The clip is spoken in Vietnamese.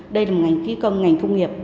đây là một ngành kỹ công ngành công nghiệp